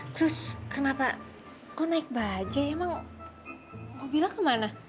terus kenapa kau naik bajet emang mau bilang kemana